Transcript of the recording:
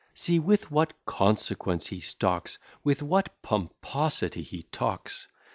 See with what consequence he stalks! With what pomposity he talks!